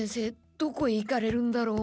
どこへ行かれるんだろう？